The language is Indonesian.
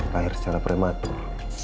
lahir secara prematur